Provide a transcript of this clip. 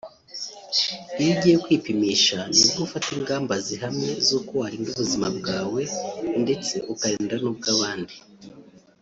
iyo ugiye kwipimisha nibwo ufata ingamba zihamye z’uko warinda ubuzima bwawe ndetse ukarinda n’ubw’abandi”